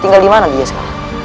tinggal dimana dia sekarang